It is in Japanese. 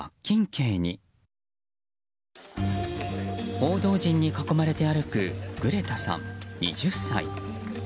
報道陣に囲まれて歩くグレタさん、２０歳。